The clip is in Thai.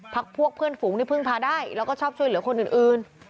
พวกเพื่อนฝูงที่พึ่งพาได้แล้วก็ชอบช่วยเหลือคนอื่น